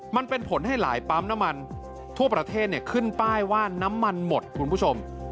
มันเป็นผลให้หลายปั๊มน้ำมันทั่วประเทศขึ้นป้ายว่าน้ำมันหมดคุณผู้ชม